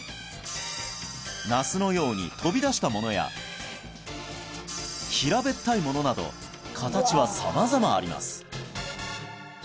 那須のように飛び出したものや平べったいものなど形は様々あります